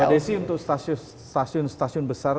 mbak desi untuk stasiun stasiun besar